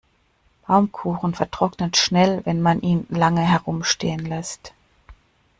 Baumkuchen vertrocknet schnell, wenn man ihn lange herumstehen lässt.